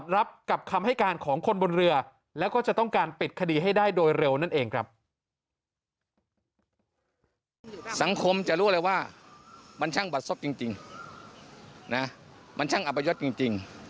รู้เลยว่ามันช่างบัตรศพจริงนะมันช่างอัพยศจริง